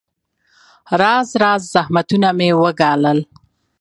راز راز زحمتونه مې وګالل.